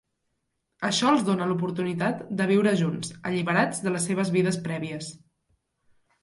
Això els dóna l'oportunitat de viure junts, alliberats de les seves vides prèvies.